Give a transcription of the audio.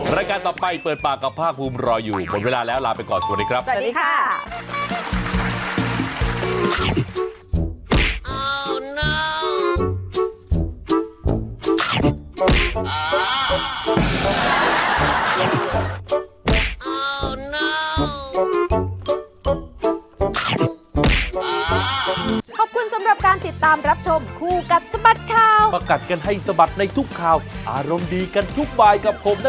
รายการต่อไปเปิดปากกับภาคภูมิรออยู่หมดเวลาแล้วลาไปก่อนสวัสดีครับสวัสดีค่ะ